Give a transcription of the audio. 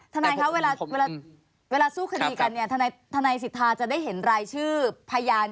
ทนายคะเวลาสู้คดีกันเนี่ยทนายสิทธาจะได้เห็นรายชื่อพยาน